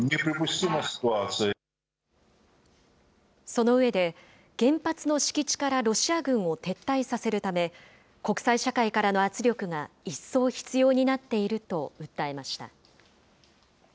その上で、原発の敷地からロシア軍を撤退させるため、国際社会からの圧力が一層必要になっていると訴えました。